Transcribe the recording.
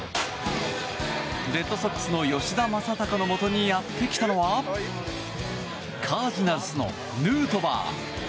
レッドソックスの吉田正尚のもとに寄ったのはカージナルスのヌートバー。